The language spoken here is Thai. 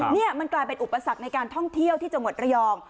นี่มันกลายเป็นอุปสรรคในการท่องเที่ยวที่จังหวัดระยอง